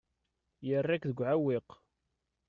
Yerra-k deg uɛewwiq.